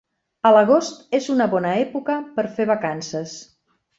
A l'agost és una bona època per fer vacances.